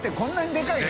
でかいね！